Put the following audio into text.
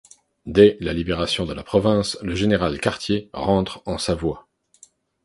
Dès la libération de la province, le général Cartier rentre en Savoie.